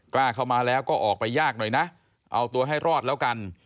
กล้าเข้ามาแล้วก็ออกไปยากหน่อยนะเอาตัวให้รอดแล้วกัน